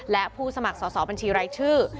และผู้สมัครสอบบัญชีรายชื่อ